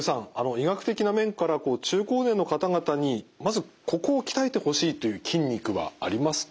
医学的な面から中高年の方々にまずここを鍛えてほしいという筋肉はありますか？